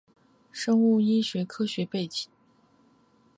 生物医学科学背景